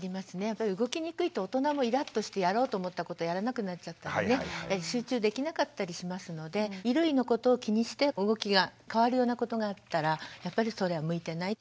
やっぱり動きにくいと大人もイラッとしてやろうと思ったことをやらなくなっちゃったりね集中できなかったりしますので衣類のことを気にして動きが変わるようなことがあったらやっぱりそれは向いてない。